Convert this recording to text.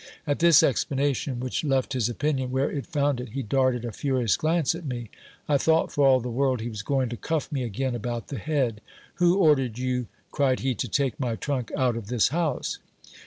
At this explanation, which left his opinion where it found it, he darted a furious glance at me. I thought for all the world, he was going to cuff me again about the head. Who ordered you, cried he, to take my trunk out of this house